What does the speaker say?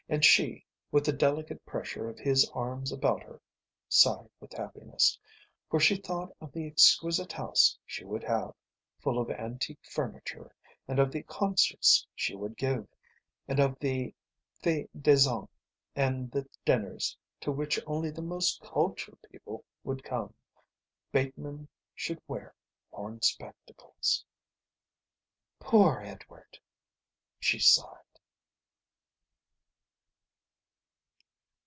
And she, with the delicious pressure of his arms about her, sighed with happiness, for she thought of the exquisite house she would have, full of antique furniture, and of the concerts she would give, and of the thés dansants, and the dinners to which only the most cultured people would come. Bateman should wear horn spectacles. "Poor Edward," she sighed.